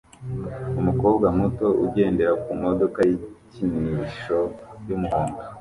Umukobwa muto ugendera kumodoka yikinisho yumuhondo